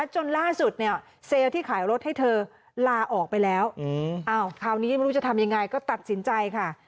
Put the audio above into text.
จนล่าสุดเนี่ยเซลล์ที่ขายรถให้เธอลาออกไปแล้วคราวนี้ไม่รู้จะทำยังไงก็ตัดสินใจค่ะ